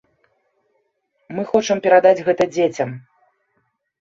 Мы хочам перадаць гэта дзецям.